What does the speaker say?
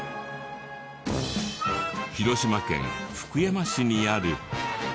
広島県福山市にある。